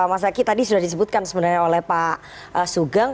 mas zaky tadi sudah disebutkan sebenarnya oleh pak sugeng